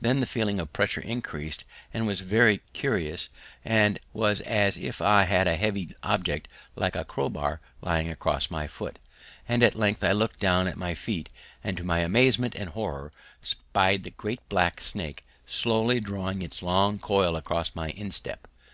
Then the feeling of pressure increased and was very curious and was as if I had a heavy object like a crowbar lying across my foot, and at length I looked down at my feet, and to my amazement and horror spied the great black snake slowly drawing his long coil across my instep!